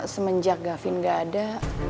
semenjak gavin gak ada